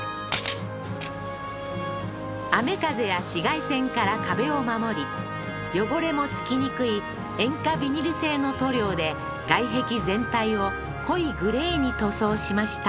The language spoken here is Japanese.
雨風や紫外線から壁を守り汚れもつきにくい塩化ビニル製の塗料で外壁全体を濃いグレーに塗装しました